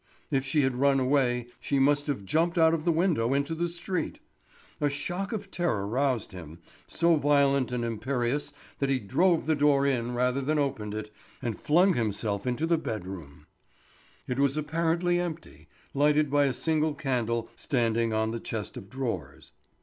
If she had run away—she must have jumped out of the window into the street. A shock of terror roused him—so violent and imperious that he drove the door in rather than opened it, and flung himself into the bed room. It was apparently empty, lighted by a single candle standing on the chest of drawers.